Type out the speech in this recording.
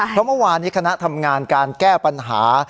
เพราะเมื่อวานนี้คณะทำงานการแก้ปัญหา